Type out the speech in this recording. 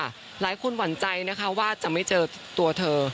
หลายคนหวั่นใจนะคะว่าจะไม่เจอตัวเธอ